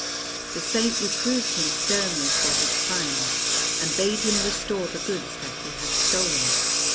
The Saint reproved him sternly for his crimes, and bade him restore the goods that he had stolen.